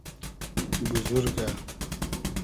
بوزورگۂ